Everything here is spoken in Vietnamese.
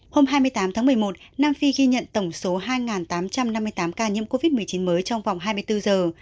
hôm hai mươi tám tháng một mươi một nam phi ghi nhận tổng số hai tám trăm năm mươi tám ca nhiễm covid một mươi chín mới trong vòng hai mươi bốn giờ